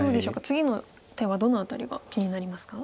次の手はどの辺りが気になりますか？